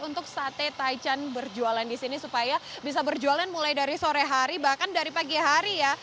untuk sate taichan berjualan di sini supaya bisa berjualan mulai dari sore hari bahkan dari pagi hari ya